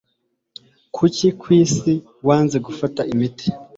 Kuki kwisi wanze gufata imiti?